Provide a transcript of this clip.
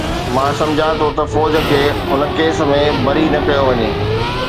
مان سمجهان ٿو ته فوج کي ان ڪيس ۾ بري نه ڪيو وڃي.